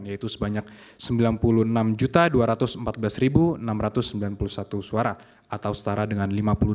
yaitu sebanyak sembilan puluh enam dua ratus empat belas enam ratus sembilan puluh satu suara atau setara dengan lima puluh dua